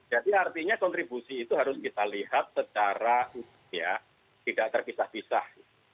jadi artinya kontribusi itu harus kita lihat secara tidak terpisah pisah